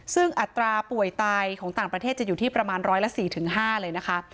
ซึ่งอัตราป่วยตายของต่างประเทศจะอยู่ที่ประมาณร้อยละ๔๕เลยนะคะ